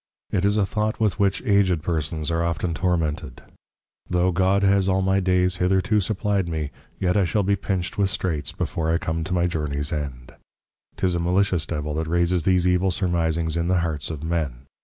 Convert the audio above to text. _ It is a Thought with which Aged persons are often tormented, Tho' God has all my dayes hitherto supplied me, yet I shall be pinched with Straits before I come to my Journeys end. 'Tis a malicious Devil that raises these Evil surmisings in the hearts of Men.